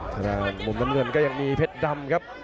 ทางด้านมุมน้ำเงินก็ยังมีเพชรดำครับ